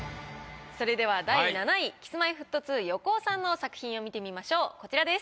それでは第７位Ｋｉｓ−Ｍｙ−Ｆｔ２・横尾さんの作品を見てみましょうこちらです。